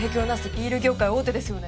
ビール業界大手ですよね。